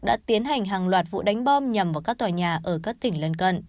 đã tiến hành hàng loạt vụ đánh bom nhằm vào các tòa nhà ở các tỉnh lân cận